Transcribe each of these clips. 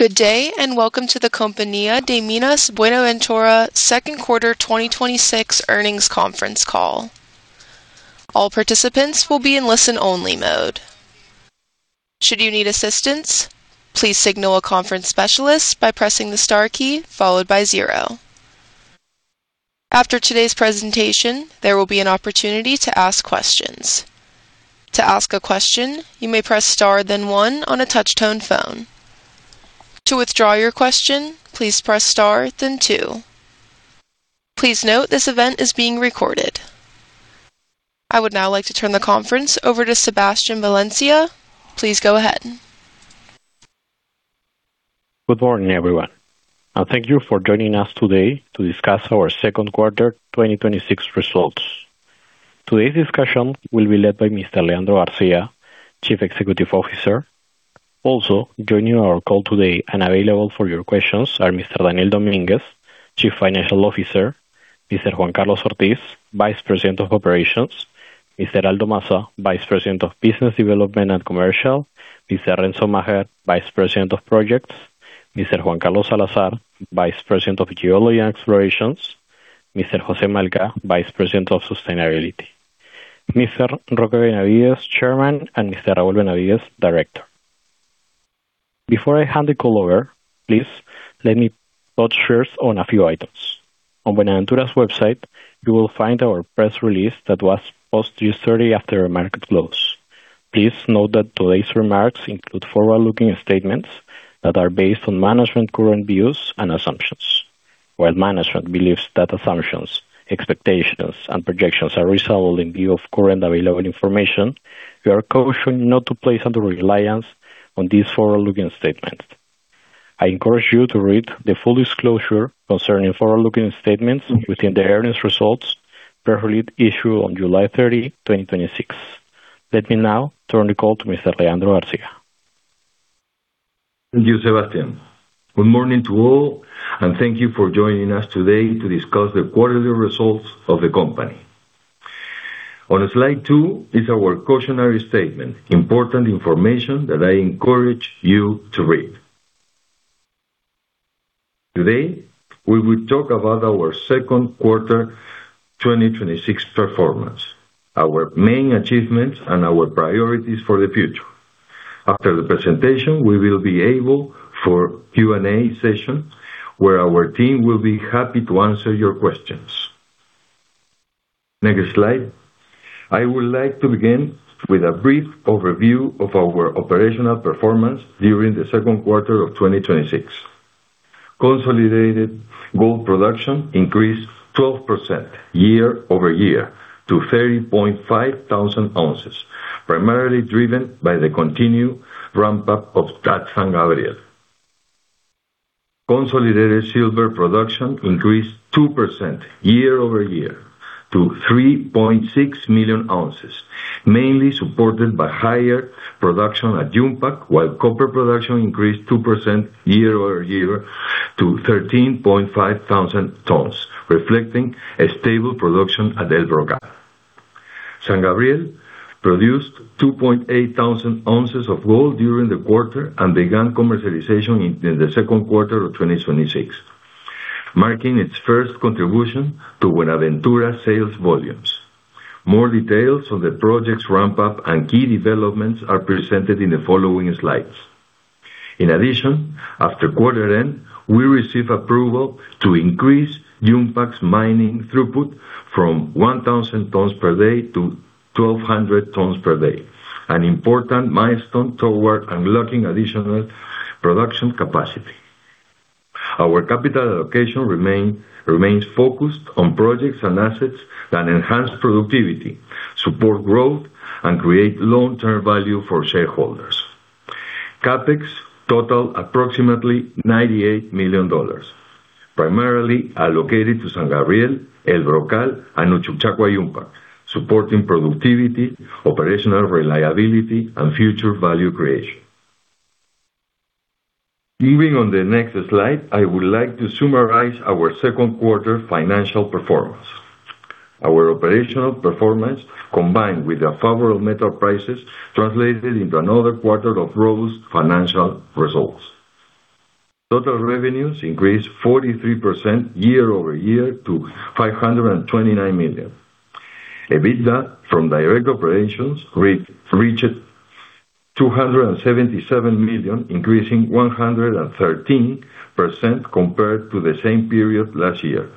Good day, and welcome to the Compañía de Minas Buenaventura second quarter 2026 earnings conference call. All participants will be in listen-only mode. Should you need assistance, please signal a conference specialist by pressing the star key followed by zero. After today's presentation, there will be an opportunity to ask questions. To ask a question, you may press star then one on a touch-tone phone. To withdraw your question, please press star then two. Please note this event is being recorded. I would now like to turn the conference over to Sebastián Valencia. Please go ahead. Good morning, everyone, and thank you for joining us today to discuss our second quarter 2026 results. Today's discussion will be led by Mr. Leandro García, Chief Executive Officer. Also joining our call today and available for your questions are Mr. Daniel Domínguez, Chief Financial Officer, Mr. Juan Carlos Ortiz, Vice President of Operations, Mr. Aldo Massa, Vice President of Business Development and Commercial, Mr. Renzo Macher, Vice President of Projects, Mr. Juan Carlos Salazar, Vice President of Geology and Explorations, Mr. José Malca, Vice President of Sustainability, Mr. Roque Benavides, Chairman, and Mr. Raúl Benavides, Director. Before I hand the call over, please let me touch first on a few items. On Buenaventura's website, you will find our press release that was posted yesterday after market close. Please note that today's remarks include forward-looking statements that are based on management current views and assumptions. While management believes that assumptions, expectations, and projections are reasonable in view of current available information, we are cautioned not to place under reliance on these forward-looking statements. I encourage you to read the full disclosure concerning forward-looking statements within the earnings results press release issued on July 30, 2026. Let me now turn the call to Mr. Leandro García. Thank you, Sebastián. Good morning to all, and thank you for joining us today to discuss the quarterly results of the company. On slide two is our cautionary statement, important information that I encourage you to read. Today, we will talk about our second quarter 2026 performance, our main achievements, and our priorities for the future. After the presentation, we will be able for Q&A session where our team will be happy to answer your questions. Next slide. I would like to begin with a brief overview of our operational performance during the second quarter of 2026. Consolidated gold production increased 12% year-over-year to 30,500 ounces, primarily driven by the continued ramp-up of San Gabriel. Consolidated silver production increased 2% year-over-year to 3.6 million ounces, mainly supported by higher production at Yumpag, while copper production increased 2% year-over-year to 13,500 tons, reflecting a stable production at El Brocal. San Gabriel produced 2,800 ounces of gold during the quarter and began commercialization in the second quarter of 2026, marking its first contribution to Buenaventura's sales volumes. More details on the project's ramp-up and key developments are presented in the following slides. In addition, after quarter end, we received approval to increase Yumpag's mining throughput from 1,000 tons per day to 1,200 tons per day, an important milestone toward unlocking additional production capacity. Our capital allocation remains focused on projects and assets that enhance productivity, support growth, and create long-term value for shareholders. CapEx totaled approximately $98 million, primarily allocated to San Gabriel, El Brocal, Uchucchacua, Yumpag, supporting productivity, operational reliability, and future value creation. Moving on the next slide, I would like to summarize our second quarter financial performance. Our operational performance, combined with the favorable metal prices, translated into another quarter of robust financial results. Total revenues increased 43% year-over-year to $529 million. EBITDA from direct operations reached $277 million, increasing 113% compared to the same period last year.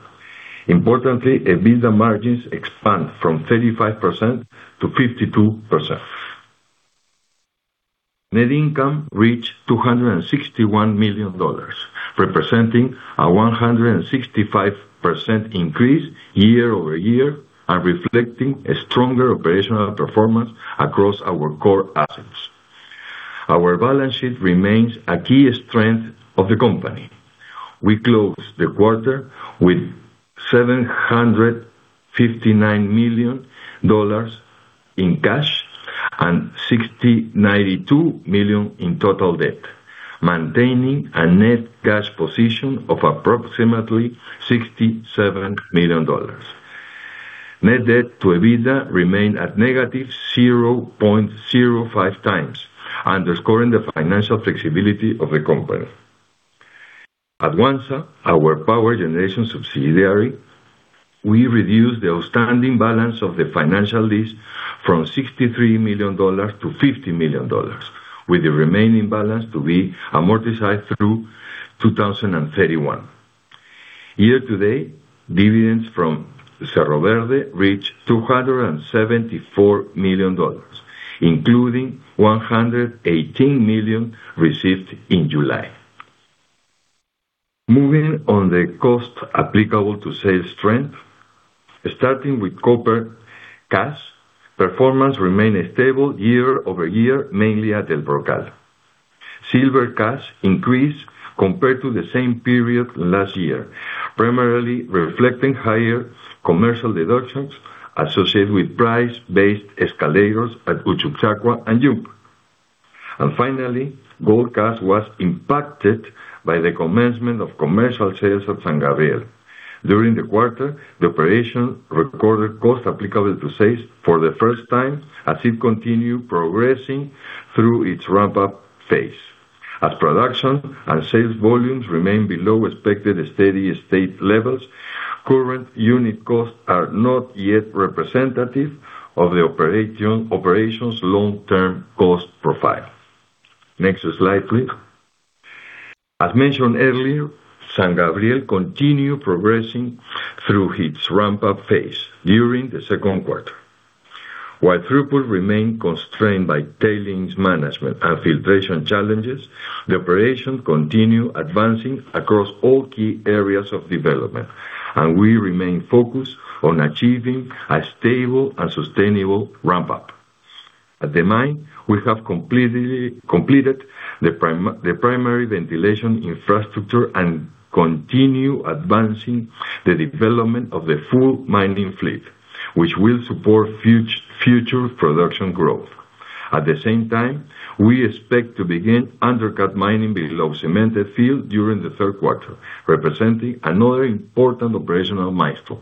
Importantly, EBITDA margins expand from 35%-52%. Net income reached $261 million, representing a 165% increase year-over-year and reflecting a stronger operational performance across our core assets. Our balance sheet remains a key strength of the company. We closed the quarter with $759 million in cash and $692 million in total debt, maintaining a net cash position of approximately $67 million. Net debt-to-EBITDA remained at negative 0.05x, underscoring the financial flexibility of the company. At Huanza, our power generation subsidiary, we reduced the outstanding balance of the financial lease from $63 million-$50 million, with the remaining balance to be amortized through 2031. Year-to-date, dividends from Cerro Verde reached $274 million, including $118 million received in July. Moving on the cost applicable to sales strength, starting with copper CAS, performance remained stable year-over-year, mainly at El Brocal. Silver CAS increased compared to the same period last year, primarily reflecting higher commercial deductions associated with price-based escalators at Uchucchacua and Yumpag. Finally, gold CAS was impacted by the commencement of commercial sales of San Gabriel. During the quarter, the operation recorded cost applicable to sales for the first time as it continued progressing through its ramp-up phase. As production and sales volumes remain below expected steady state levels, current unit costs are not yet representative of the operation's long-term cost profile. Next slide, please. As mentioned earlier, San Gabriel continued progressing through its ramp-up phase during the second quarter. While throughput remained constrained by tailings management and filtration challenges, the operation continued advancing across all key areas of development, and we remain focused on achieving a stable and sustainable ramp-up. At the mine, we have completed the primary ventilation infrastructure and continue advancing the development of the full mining fleet, which will support future production growth. At the same time, we expect to begin undercut mining below cemented fill during the third quarter, representing another important operational milestone.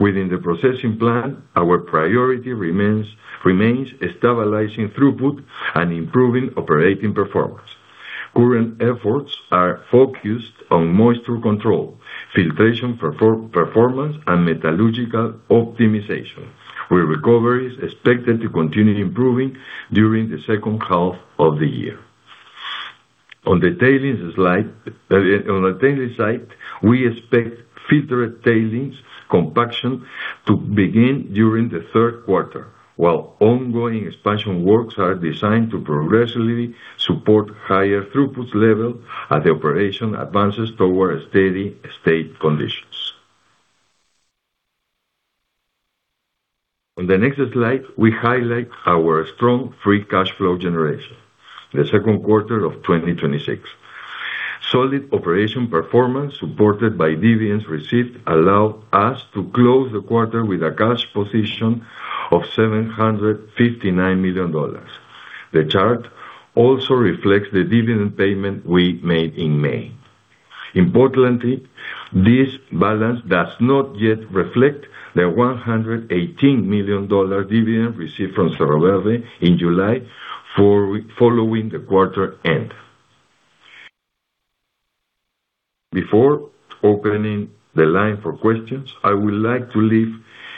Within the processing plant, our priority remains stabilizing throughput and improving operating performance. Current efforts are focused on moisture control, filtration performance, and metallurgical optimization, with recoveries expected to continue improving during the second half of the year. On the tailings site, we expect filtered tailings compaction to begin during the third quarter, while ongoing expansion works are designed to progressively support higher throughputs level as the operation advances toward steady state conditions. On the next slide, we highlight our strong free cash flow generation, the second quarter of 2026. Solid operation performance supported by dividends received allowed us to close the quarter with a cash position of $759 million. The chart also reflects the dividend payment we made in May. Importantly, this balance does not yet reflect the $118 million dividend received from Cerro Verde in July, following the quarter end. Before opening the line for questions, I would like to leave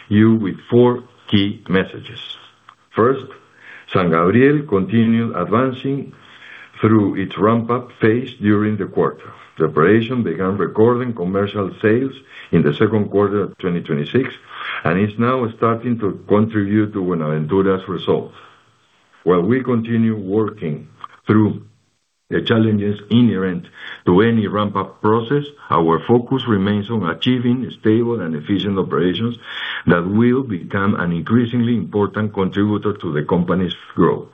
you with four key messages. First, San Gabriel continued advancing through its ramp-up phase during the quarter. The operation began recording commercial sales in the second quarter of 2026, and is now starting to contribute to Buenaventura's results. While we continue working through the challenges inherent to any ramp-up process, our focus remains on achieving stable and efficient operations that will become an increasingly important contributor to the company's growth.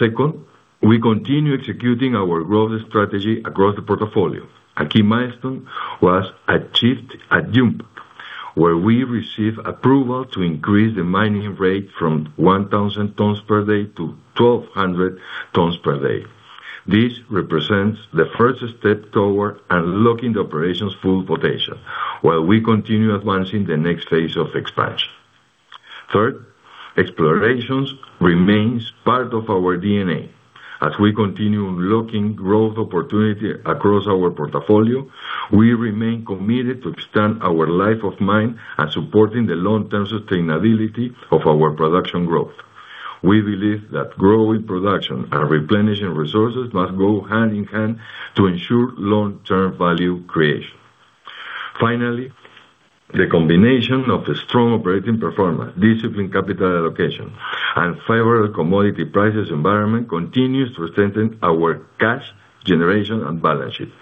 Second, we continue executing our growth strategy across the portfolio. A key milestone was achieved at Yumpag, where we received approval to increase the mining rate from 1,000 tons per day to 1,200 tons per day. This represents the first step toward unlocking the operation's full potential, while we continue advancing the next phase of expansion. Third, explorations remains part of our DNA. As we continue unlocking growth opportunity across our portfolio, we remain committed to extend our Life of Mine and supporting the long-term sustainability of our production growth. We believe that growing production and replenishing resources must go hand-in-hand to ensure long-term value creation. Finally, the combination of the strong operating performance, disciplined capital allocation, and favorable commodity prices environment continues to strengthen our cash generation and balance sheet.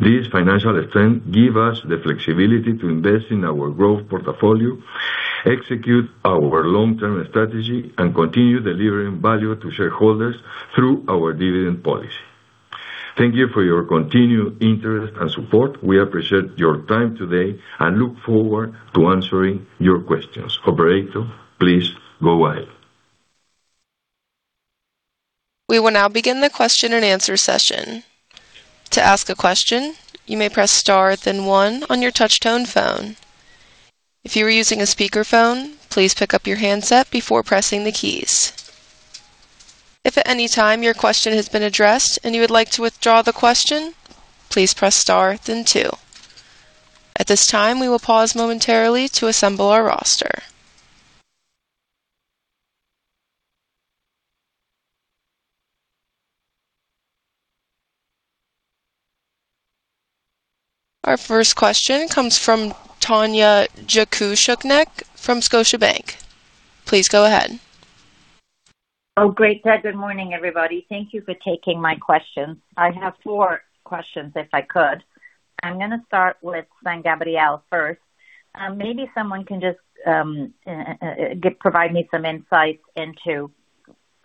This financial strength give us the flexibility to invest in our growth portfolio, execute our long-term strategy, and continue delivering value to shareholders through our dividend policy. Thank you for your continued interest and support. We appreciate your time today and look forward to answering your questions. Operator, please go wide. We will now begin the question-and-answer session. To ask a question, you may press star then one on your touch-tone phone. If you are using a speakerphone, please pick up your handset before pressing the keys. If at any time your question has been addressed and you would like to withdraw the question, please press star then two. At this time, we will pause momentarily to assemble our roster. Our first question comes from Tanya Jakusconek from Scotiabank. Please go ahead. Oh, great. Good morning, everybody. Thank you for taking my question. I have four questions, if I could. I'm going to start with San Gabriel first. Maybe someone can just provide me some insights into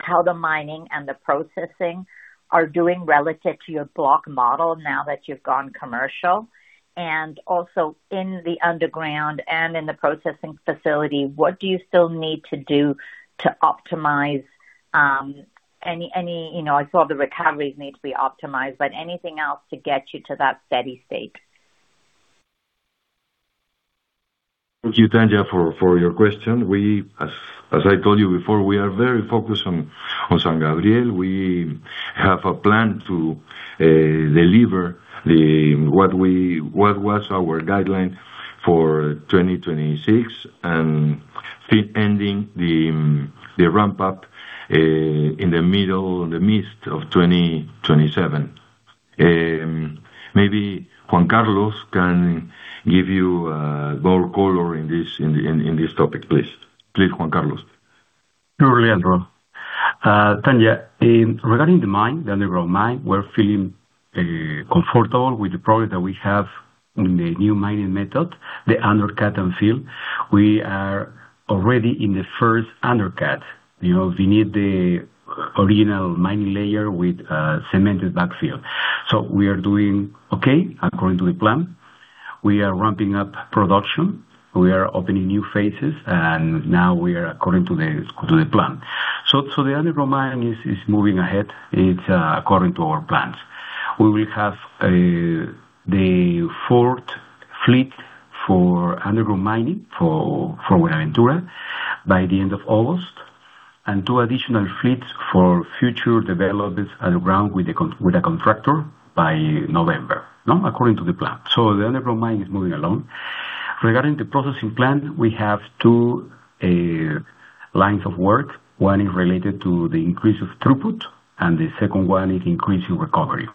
how the mining and the processing are doing relative to your block model now that you've gone commercial, and also in the underground and in the processing facility, what do you still need to do to optimize? I saw the recoveries need to be optimized, anything else to get you to that steady state? Thank you, Tanya, for your question. As I told you before, we are very focused on San Gabriel. We have a plan to deliver what was our guideline for 2026 and ending the ramp up in the midst of 2027. Maybe Juan Carlos can give you more color in this topic, please. Please, Juan Carlos. Sure, Leandro. Tanya, regarding the mine, the underground mine, we're feeling comfortable with the progress that we have in the new mining method, the underhand cut-and-fill. We are already in the first undercut. We need the original mining layer with a cemented backfill. We are doing okay according to the plan. We are ramping up production. We are opening new phases, now we are according to the plan. The underground mine is moving ahead. It's according to our plans. We will have the fourth fleet for underground mining for Buenaventura by the end of August, and two additional fleets for future developments underground with a contractor by November. According to the plan. The underground mine is moving along. Regarding the processing plant, we have two lines of work. One is related to the increase of throughput, the second one is increasing recovery.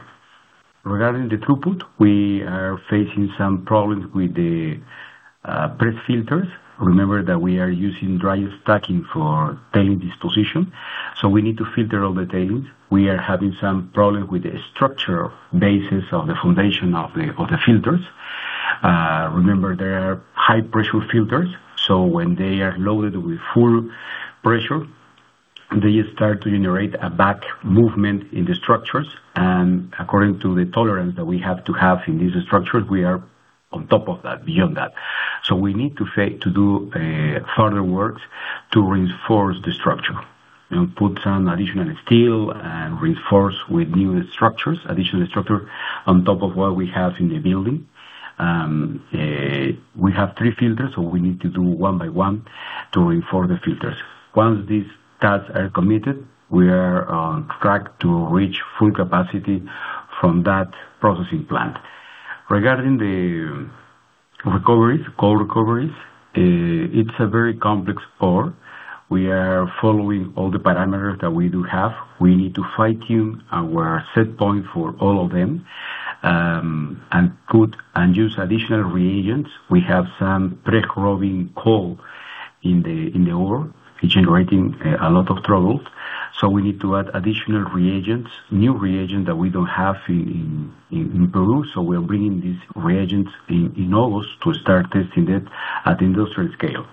Regarding the throughput, we are facing some problems with the press filters. Remember that we are using dry stacking for tailing disposition, we need to filter all the tailings. We are having some problems with the structure basis of the foundation of the filters. Remember, they are high-pressure filters, when they are loaded with full pressure, they start to generate a back movement in the structures. According to the tolerance that we have to have in these structures, we are on top of that, beyond that. We need to do further works to reinforce the structure and put some additional steel and reinforce with new structures, additional structure on top of what we have in the building. We have three filters, we need to do one by one to reinforce the filters. Once these tasks are completed, we are on track to reach full capacity from that processing plant. Regarding the recoveries, coal recoveries, it's a very complex ore. We are following all the parameters that we do have. We need to fine-tune our setpoints for all of them, and put and use additional reagents. We have some preg-robbing coal in the ore, generating a lot of trouble. We need to add additional reagents, new reagents that we don't have in Peru. We're bringing these reagents in August to start testing it at industrial scale.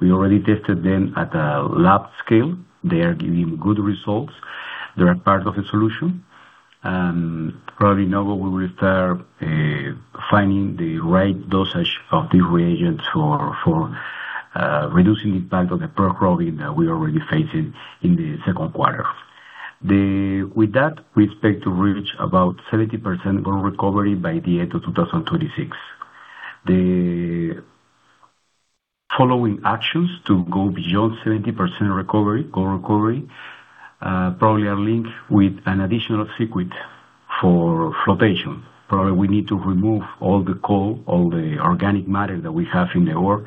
We already tested them at a lab scale. They are giving good results. They are part of the solution. Probably in August, we will start finding the right dosage of these reagents for reducing the impact of the preg-robbing that we already faced in the second quarter. With that, we expect to reach about 70% ore recovery by the end of 2026. The following actions to go beyond 70% recovery, ore recovery, probably are linked with an additional circuit for flotation. Probably, we need to remove all the coal, all the organic matter that we have in the ore.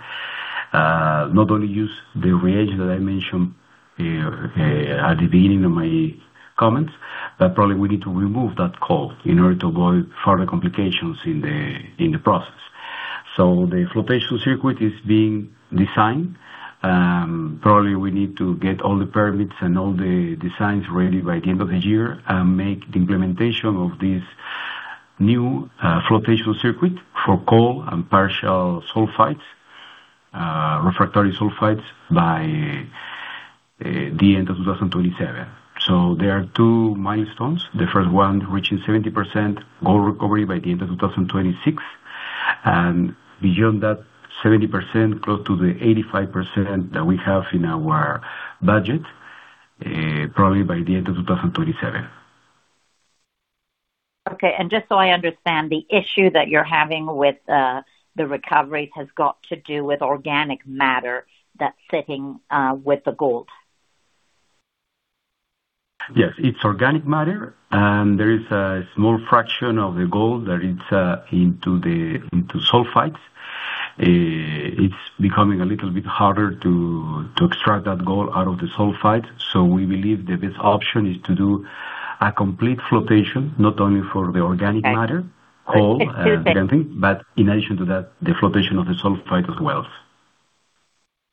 Not only use the reagent that I mentioned at the beginning of my comments, but probably we need to remove that coal in order to avoid further complications in the process. The flotation circuit is being designed. Probably, we need to get all the permits and all the designs ready by the end of the year and make the implementation of this new flotation circuit for coal and partial sulfides, refractory sulfides, by the end of 2027. There are two milestones. The first one, reaching 70% ore recovery by the end of 2026. Beyond that 70%, close to the 85% that we have in our budget, probably by the end of 2027. Okay. Just so I understand, the issue that you're having with the recoveries has got to do with organic matter that's sitting with the gold? Yes, it's organic matter. There is a small fraction of the gold that is into sulfides. It's becoming a little bit harder to extract that gold out of the sulfide. We believe the best option is to do a complete flotation, not only for the organic matter- It's two things In addition to that, the flotation of the sulfide as well.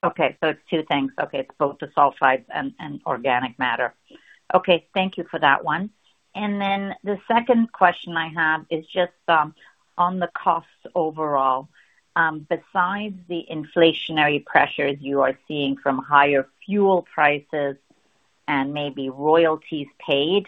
Okay. It's two things. Okay. It's both the sulfides and organic matter. Okay, thank you for that one. The second question I have is just on the costs overall. Besides the inflationary pressures you are seeing from higher fuel prices and maybe royalties paid,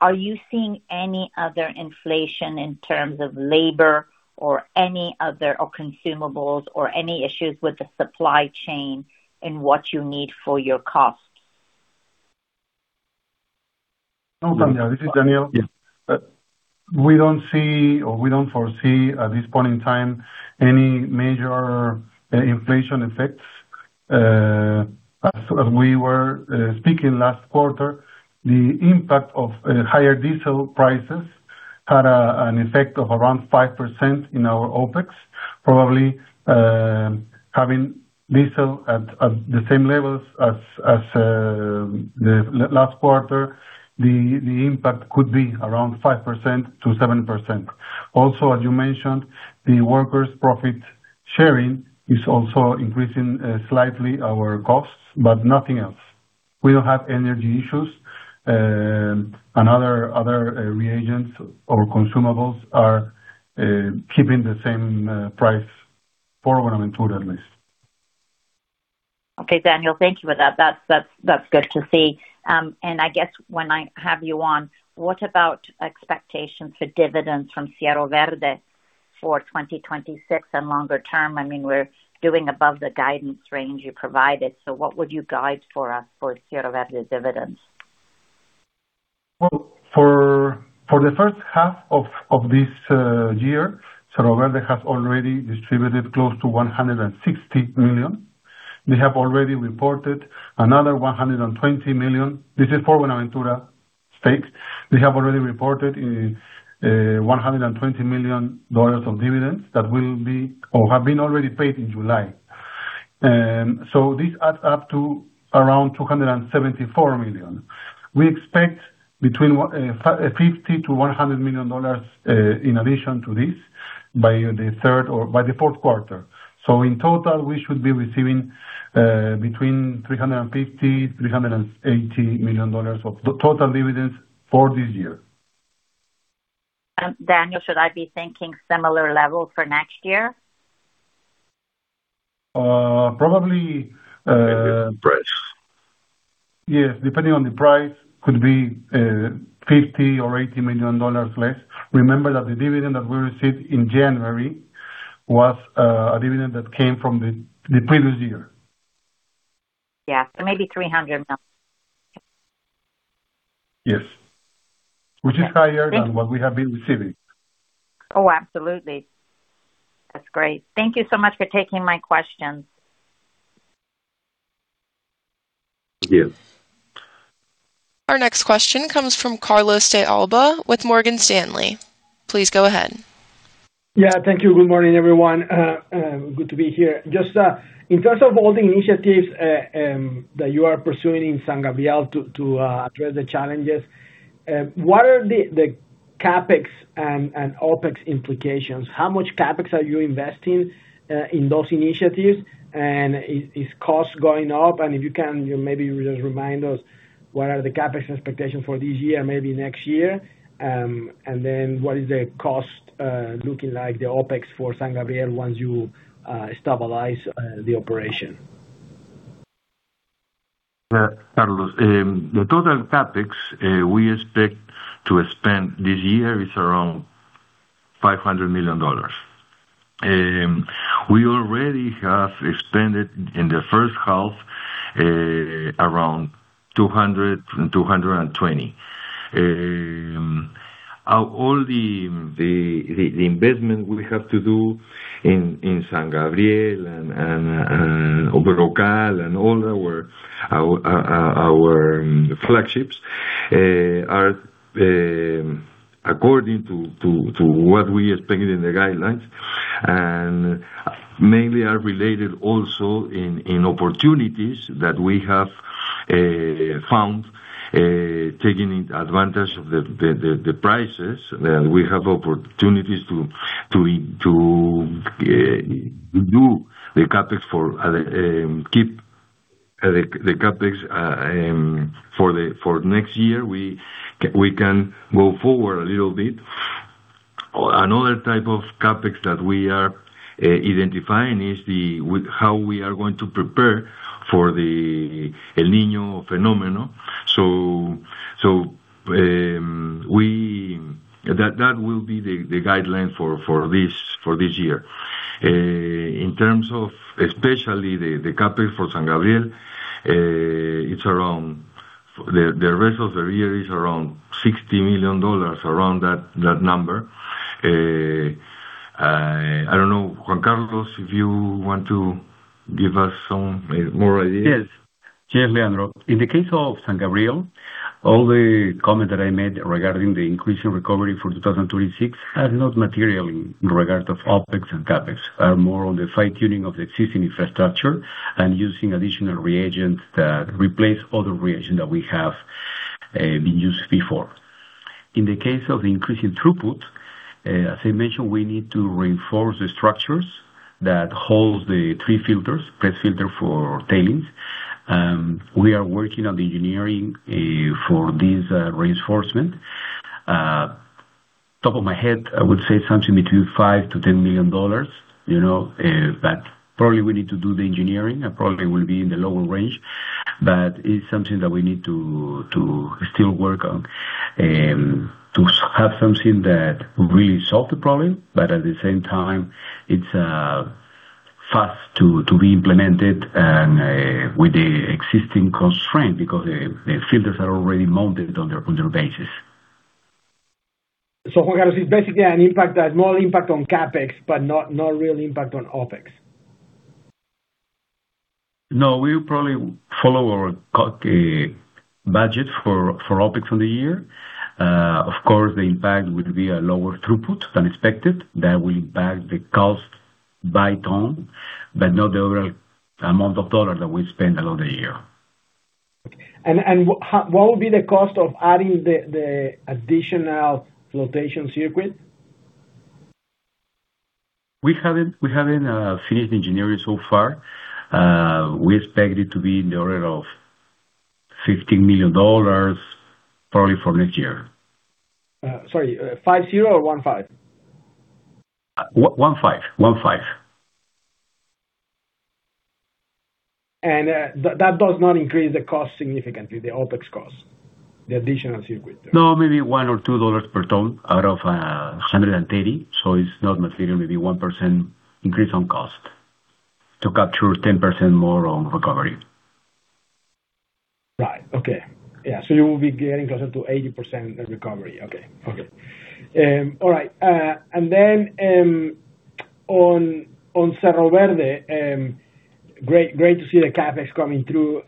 are you seeing any other inflation in terms of labor or any other consumables or any issues with the supply chain in what you need for your cost? No, Tanya, this is Daniel. Yeah. We don't see, or we don't foresee, at this point in time, any major inflation effects. As we were speaking last quarter, the impact of higher diesel prices had an effect of around 5% in our OpEx. Probably having diesel at the same levels as the last quarter, the impact could be around 5%-7%. Also, as you mentioned, the workers' profit sharing is also increasing slightly our costs, but nothing else. We don't have energy issues. Other reagents or consumables are keeping the same price for Buenaventura, at least. Okay, Daniel, thank you for that. That's good to see. I guess when I have you on, what about expectations for dividends from Cerro Verde for 2026 and longer term? We're doing above the guidance range you provided. What would you guide for us for Cerro Verde dividends? Well, for the first half of this year, Cerro Verde has already distributed close to $160 million. We have already reported another $120 million. This is for Buenaventura's stakes. We have already reported $120 million of dividends that will be or have been already paid in July. This adds up to around $274 million. We expect between $50 million-$100 million in addition to this by the fourth quarter. In total, we should be receiving between $350 million-$380 million of total dividends for this year. Daniel, should I be thinking similar levels for next year? Probably- Depending on the price. Yes, depending on the price, could be $50 million or $80 million less. Remember that the dividend that we received in January was a dividend that came from the previous year. Maybe $300 million. Yes. Which is higher than what we have been receiving. Oh, absolutely. That's great. Thank you so much for taking my questions. Thank you. Our next question comes from Carlos de Alba with Morgan Stanley. Please go ahead. Yeah, thank you. Good morning, everyone. Good to be here. Just in terms of all the initiatives that you are pursuing in San Gabriel to address the challenges, what are the CapEx and OpEx implications? How much CapEx are you investing in those initiatives, and is cost going up? If you can, maybe just remind us what are the CapEx expectations for this year, maybe next year. What is the cost looking like, the OpEx for San Gabriel once you stabilize the operation? Carlos, the total CapEx we expect to spend this year is around $500 million. We already have expended in the first half around $200 and $220. All the investment we have to do in San Gabriel and El Brocal and all our flagships are according to what we expected in the guidance, and mainly are related also in opportunities that we have found, taking advantage of the prices, and we have opportunities to do the CapEx. For next year, we can go forward a little bit. Another type of CapEx that we are identifying is how we are going to prepare for the El Niño phenomenon. That will be the guidance for this year. In terms of especially the CapEx for San Gabriel, the rest of the year is around $60 million, around that number. I don't know, Juan Carlos, if you want to give us some more ideas. Yes, Leandro. In the case of San Gabriel, all the comments that I made regarding the increase in recovery for 2026 are not material in regard of OpEx and CapEx, are more on the fine-tuning of the existing infrastructure and using additional reagents that replace other reagents that we have been used before. In the case of increasing throughput, as I mentioned, we need to reinforce the structures that hold the three filters, press filter for tailings. We are working on the engineering for this reinforcement. Top of my head, I would say something between $5 million to $10 million. Probably we need to do the engineering and probably will be in the lower range. It's something that we need to still work on, to have something that will really solve the problem. At the same time, it's fast to be implemented and with the existing constraint, because the filters are already mounted on their bases. Juan Carlos, it's basically a small impact on CapEx, but no real impact on OpEx. We probably follow our budget for OpEx for the year. Of course, the impact would be a lower throughput than expected. That will impact the cost by ton, but not the overall amount of dollars that we spend along the year. What will be the cost of adding the additional flotation circuit? We haven't finished engineering so far. We expect it to be in the order of $15 million, probably for next year. Sorry. Five zero or one five? One five. That does not increase the cost significantly, the OpEx cost, the additional circuit there? No, maybe $1 or $2 per ton out of 130. It's not material, maybe 1% increase on cost to capture 10% more on recovery. Right. Okay. Yeah. You will be getting closer to 80% of recovery. Okay. All right. On Cerro Verde, great to see the CapEx coming through.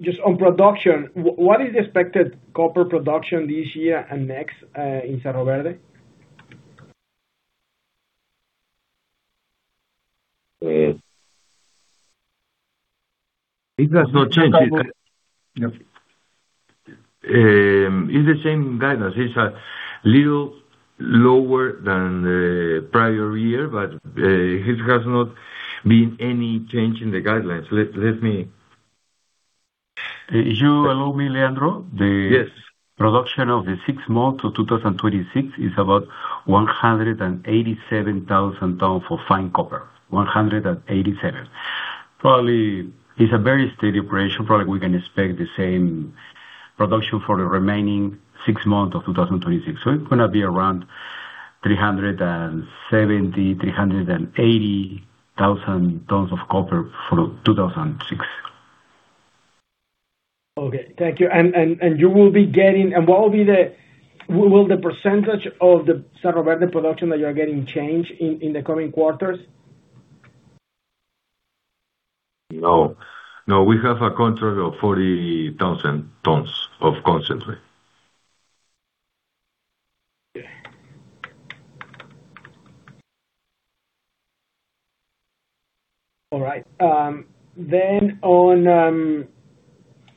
Just on production, what is the expected copper production this year and next in Cerro Verde? It has not changed. It's the same guidance. It's a little lower than the prior year, it has not been any change in the guidance. If you allow me, Leandro. Yes. The production of the six months of 2026 is about 187,000 tons for fine copper, 187. It probably is a very steady operation. Probably, we can expect the same production for the remaining six months of 2026. It's going to be around 370,000-380,000 tons of copper for 2026. Okay. Thank you. Will the percentage of the Cerro Verde production that you are getting change in the coming quarters? No. We have a contract of 40,000 tons of concentrate. Okay. All right.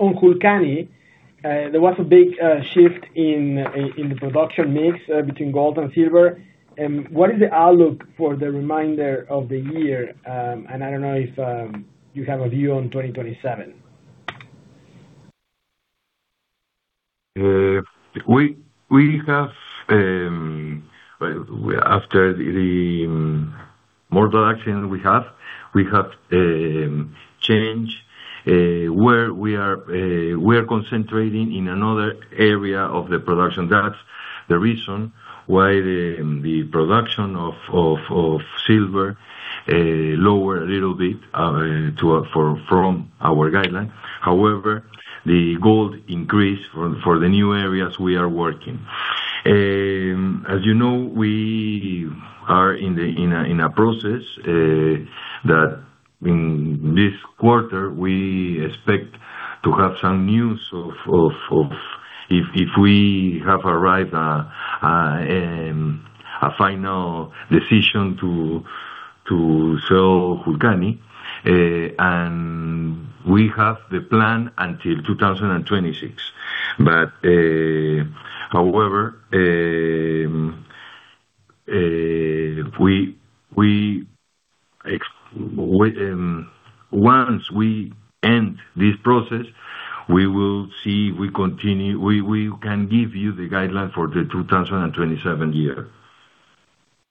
On Julcani, there was a big shift in the production mix between gold and silver. What is the outlook for the remainder of the year? I don't know if you have a view on 2027. After the more production we have, we have change, where we are concentrating in another area of the production. That's the reason why the production of silver lower a little bit, from our guidance. The gold increased for the new areas we are working. As you know, we are in a process, that in this quarter, we expect to have some news of if we have arrived a final decision to sell Julcani. We have the plan until 2026. Once we end this process, we will see, we can give you the guideline for the 2027 year.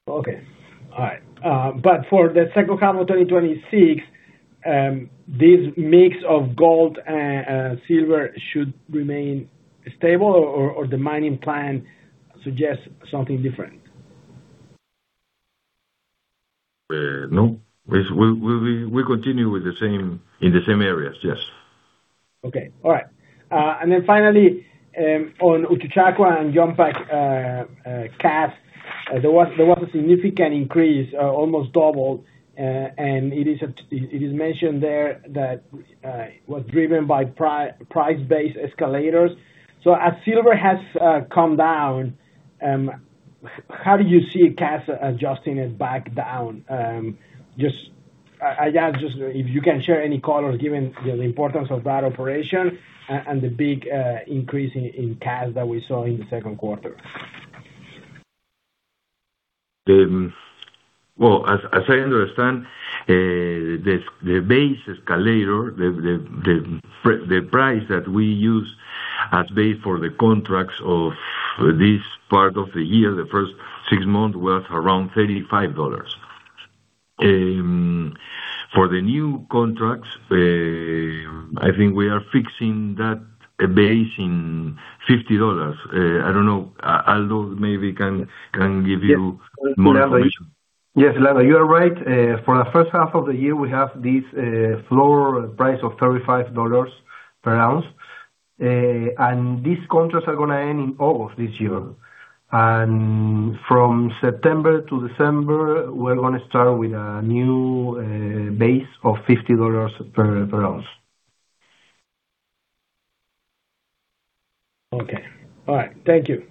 Okay. All right. For the second half of 2026, this mix of gold and silver should remain stable or the mining plan suggests something different? No. We continue in the same areas. Yes. Finally, on Uchucchacua and Yumpag CAS, there was a significant increase, almost double. It is mentioned there that it was driven by price-based escalators. As silver has come down, how do you see CAS adjusting it back down? I ask just if you can share any color, given the importance of that operation and the big increase in CAS that we saw in the second quarter. Well, as I understand, the base escalator, the price that we use at base for the contracts of this part of the year, the first six months, was around $35. For the new contracts, I think we are fixing that base in $50. I don't know. Aldo maybe can give you more information. Yes, Leandro, you are right. For the first half of the year, we have this floor price of $35 per ounce. These contracts are going to end in August this year. From September to December, we're going to start with a new base of $50 per ounce. Okay. All right. Thank you.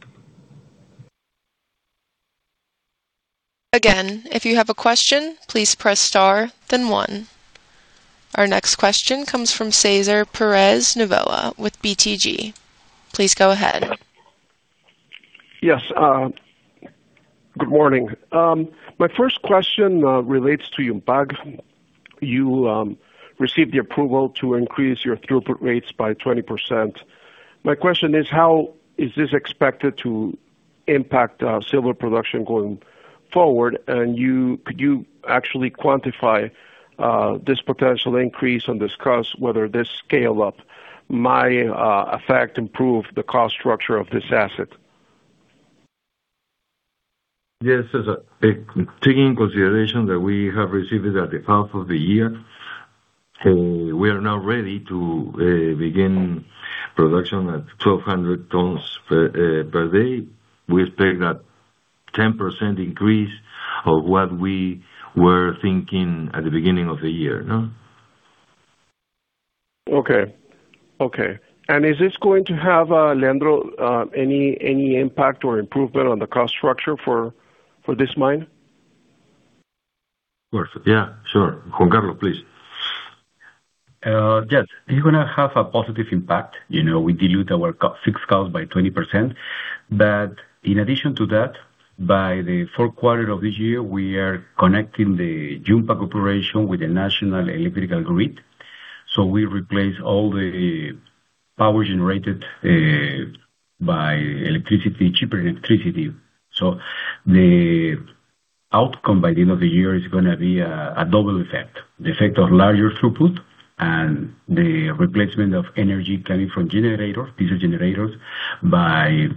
Again, if you have a question, please press star then one. Our next question comes from César Pérez Novoa with BTG. Please go ahead. Yes. Good morning. My first question relates to Yumpag. You received the approval to increase your throughput rates by 20%. My question is, how is this expected to impact silver production going forward? Could you actually quantify this potential increase and discuss whether this scale-up might improve the cost structure of this asset? Yes. Taking into consideration that we have received it at the half of the year, we are now ready to begin production at 1,200 tons per day. We expect a 10% increase of what we were thinking at the beginning of the year. Okay. Is this going to have, Leandro, any impact or improvement on the cost structure for this mine? Of course. Yeah, sure. Juan Carlos, please. Yes. It's going to have a positive impact. We dilute our fixed cost by 20%. In addition to that, by the fourth quarter of this year, we are connecting the Yumpag operation with the national electrical grid. We replace all the power generated by cheaper electricity. The outcome by the end of the year is going to be a double effect. The effect of larger throughput and the replacement of energy coming from diesel generators by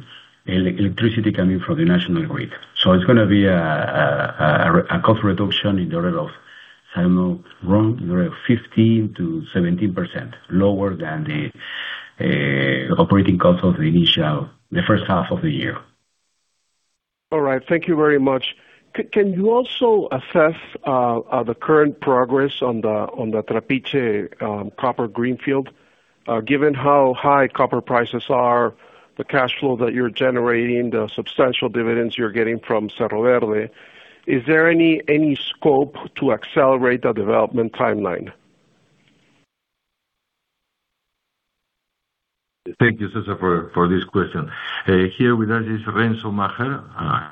electricity coming from the national grid. It's going to be a cost reduction in the order of, if I'm not wrong, 15%-17% lower than the operating cost of the first half of the year. All right. Thank you very much. Can you also assess the current progress on the Trapiche copper greenfield? Given how high copper prices are, the cash flow that you're generating, the substantial dividends you're getting from Cerro Verde, is there any scope to accelerate the development timeline? Thank you, César, for this question. Here with us is Renzo Macher,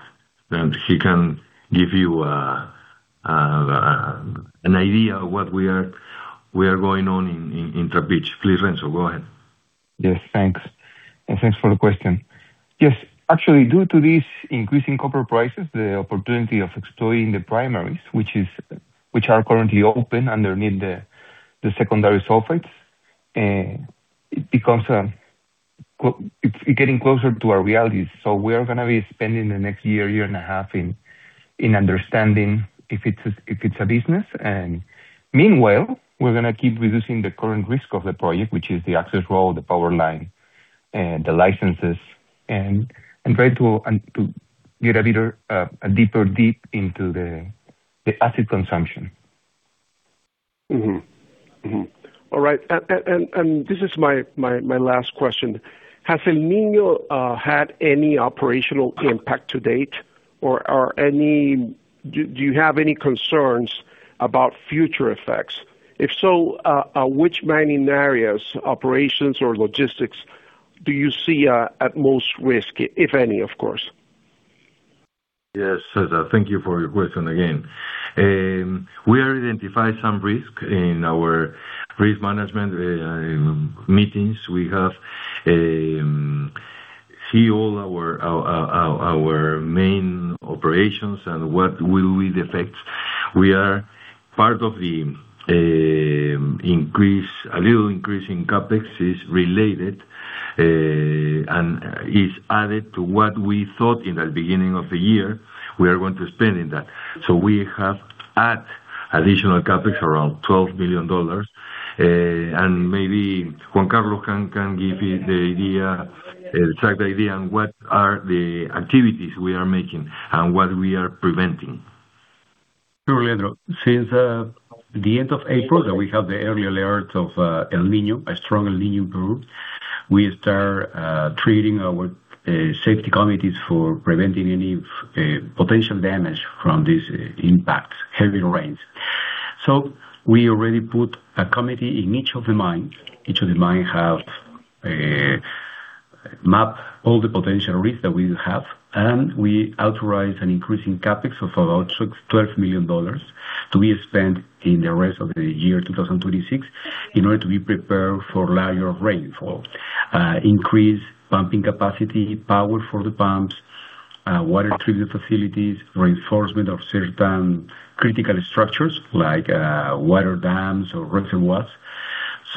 he can give you an idea of what we are going on in Trapiche. Please, Renzo, go ahead. Yes, thanks. Thanks for the question. Yes. Actually, due to these increasing copper prices, the opportunity of exploiting the primaries, which are currently open underneath the secondary sulfides, it's getting closer to our realities. We are going to be spending the next year and a half in understanding if it's a business. Meanwhile, we're going to keep reducing the current risk of the project, which is the access road, the power line, the licenses, and try to get a deeper dip into the acid consumption. All right. This is my last question. Has El Niño had any operational impact to date, or do you have any concerns about future effects? If so, which mining areas, operations, or logistics do you see are at most risk, if any, of course? Yes, César, thank you for your question again. We have identified some risk in our risk management meetings. We have See all our main operations and what will it affect. We are part of the, a little increase in CapEx is related, and is added to what we thought in the beginning of the year we are going to spend in that. We have add additional CapEx around $12 million. Maybe Juan Carlos can give you the exact idea on what are the activities we are making and what we are preventing. Sure, Leandro. Since the end of April, we have the early alert of El Niño, a strong El Niño group. We start treating our safety committees for preventing any potential damage from this impact, heavy rains. We already put a committee in each of the mine. Each of the mine have a map, all the potential risk that we have. We authorize an increase in CapEx of about $12 million to be spent in the rest of the year 2026, in order to be prepared for larger rainfall. Increase pumping capacity, power for the pumps, water treatment facilities, reinforcement of certain critical structures like water dams or reservoirs.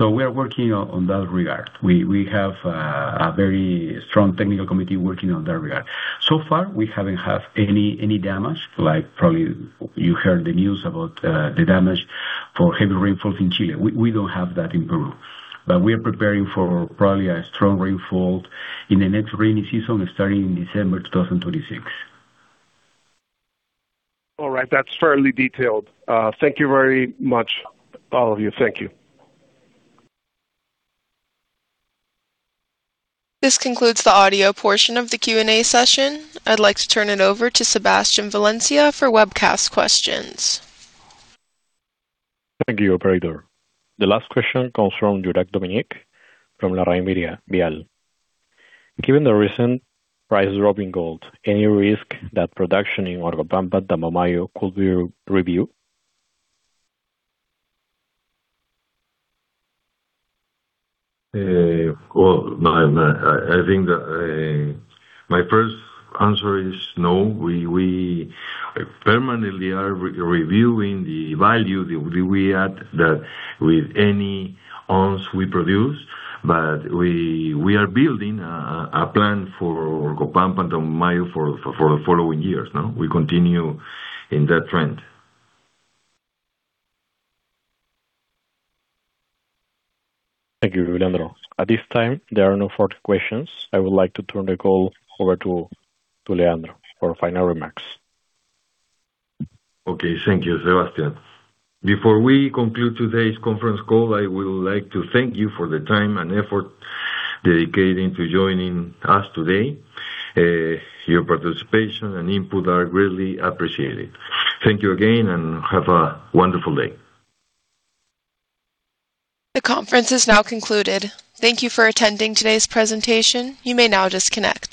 We are working on that regard. We have a very strong technical committee working on that regard. So far, we haven't had any damage, like probably you heard the news about the damage for heavy rainfall in Chile. We don't have that in Peru, but we are preparing for probably a strong rainfall in the next rainy season starting in December 2026. All right. That's fairly detailed. Thank you very much, all of you. Thank you. This concludes the audio portion of the Q&A session. I'd like to turn it over to Sebastián Valencia for webcast questions. Thank you, operator. The last question comes from Jurak Dominik from La Opinión Aval. Given the recent price drop in gold, any risk that production in Orcopampa, Tambomayo could be reviewed? Well, no. I think that my first answer is no. We permanently are reviewing the value that we add with any ounce we produce, but we are building a plan for Orcopampa, Tambomayo for the following years. We continue in that trend. Thank you, Leandro. At this time, there are no further questions. I would like to turn the call over to Leandro for final remarks. Okay. Thank you, Sebastián. Before we conclude today's conference call, I would like to thank you for the time and effort dedicating to joining us today. Your participation and input are greatly appreciated. Thank you again. Have a wonderful day. The conference is now concluded. Thank you for attending today's presentation. You may now disconnect.